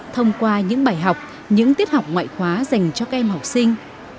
thông qua những bài học những tiết học ngoại khóa dành cho các em học sinh